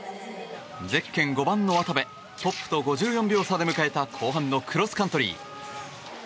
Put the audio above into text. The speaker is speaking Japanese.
ゼッケン５番の渡部トップと５４秒差で迎えた後半のクロスカントリー。